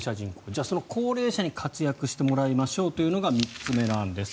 じゃあ、その高齢者に活躍してもらいましょうというのが３つ目の案です。